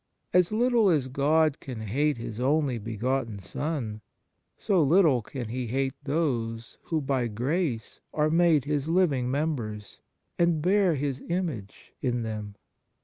As little as God can hate His only begotten Son, so little can He hate those who by grace are made His living members, and bear His image in them.